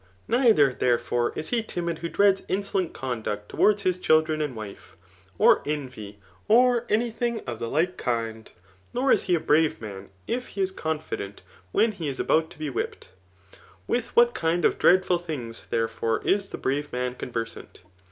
Neither, therefore, is he dmid who dreads insolent conduct towards his children and wife, or envy, or any thing of the like kind ; nor is he a brave man if he is confident when he is about to be whipt. With what kind of dreadful things, therefore, is the brave man conversant